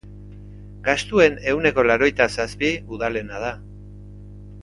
Gastuen ehuneko laurogeita zazpi udalena da.